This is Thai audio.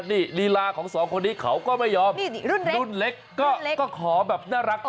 นี่ลีลาของสองคนนี้เขาก็ไม่ยอมรุ่นเล็กก็ขอแบบน่ารัก